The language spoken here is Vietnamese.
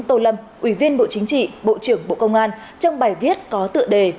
tô lâm ủy viên bộ chính trị bộ trưởng bộ công an trong bài viết có tựa đề